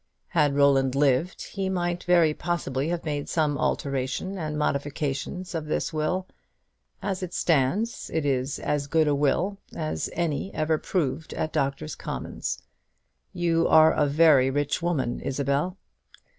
Had Roland lived, he might very possibly have made some alteration and modifications of this will. As it stands, it is as good a will as any ever proved at Doctors' Commons. You are a very rich woman, Isabel.